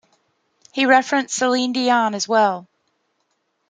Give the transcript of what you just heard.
He referenced Celine Dion as well.